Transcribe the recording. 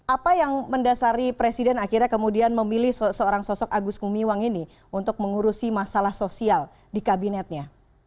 apa yang mendasari presiden akhirnya kemudian memilih seorang sosok agus gumiwang ini untuk mengurusi masalah sosial di kabinetnya